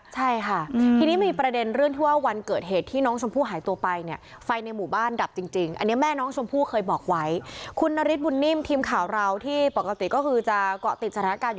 ใช่ค่ะทีนี้มีประเด็นเรื่องที่ว่าวันเกิดเหตุ